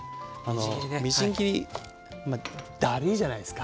みじん切りだるいじゃないですか。